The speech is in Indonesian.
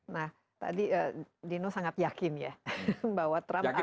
nah tadi dino sangat yakin ya bahwa trump akan